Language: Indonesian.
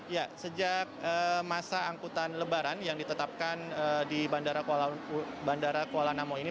ya sejak masa angkutan lebaran yang ditetapkan di bandara kuala namu ini